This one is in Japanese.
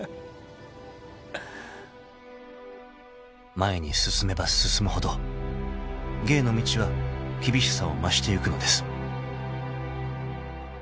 ［前に進めば進むほど芸の道は厳しさを増してゆくのです］